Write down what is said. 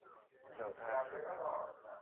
叫他起来